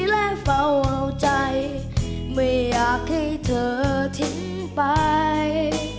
และเฝ้าเอาใจไม่อยากให้เธอทิ้งไป